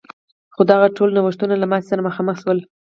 خو دغه ټول نوښتونه له ماتې سره مخ شول.